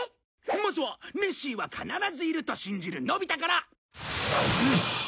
まずは「ネッシーは必ずいる」と信じるのび太から。